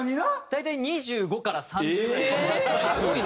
大体２５から３０ぐらい。